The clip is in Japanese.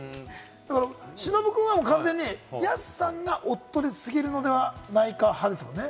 忍君は完全に安さんがおっとり過ぎるのではないか派ですもんね。